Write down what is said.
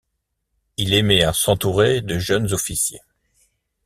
Il aimait à s’entourer de jeunes officiers.